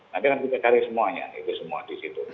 nanti akan kita cari semuanya itu semua di situ